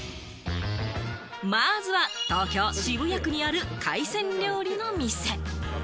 まずは東京・渋谷区にある海鮮料理の店。